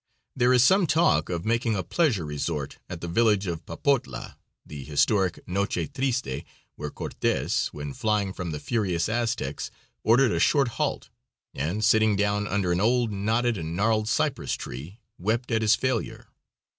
There is some talk of making a pleasure resort at the village of Papotla, the historic Noche Triste, where Cortes, when flying from the furious Aztecs, ordered a short halt, and, sitting down under an old knotted and gnarled cypress tree, wept at his failure.